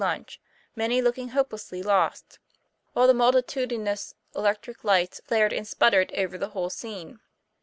29 lunch, many looking hopelessly lost: while the mul titudinous electric lights flared and sputtered over the whole scene.